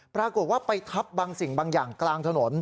ปรากฏว่าไปทับบางสิ่งบางอย่างกลางถนน